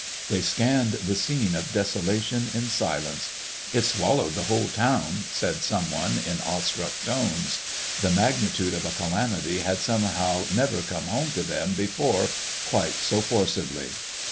They scanned the scene of desolation in silence. "It swallowed the whole town," said some one in awestruck tones. The magnitude of a calamity had somehow never come home to them before quite so forcibly.